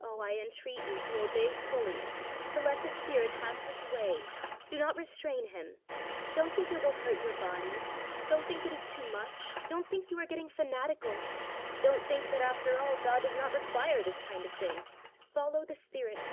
Oh! I entreat you to obey fully, to let the Spirit have His way. Do not restrain Him. Don't think it will hurt your bodies: don't think it is too much; don't think you are getting fanatical; don't think that, after all, God does not require this kind of thing follow the Spirit.